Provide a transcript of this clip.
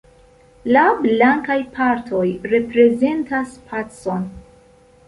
La blankaj partoj reprezentas pacon.